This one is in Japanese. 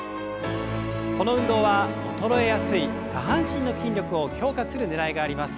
この運動は衰えやすい下半身の筋力を強化するねらいがあります。